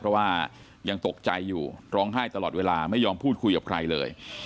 เพราะว่ายังตกใจอยู่ร้องไห้ตลอดเวลาไม่ยอมพูดคุยกับใครเลย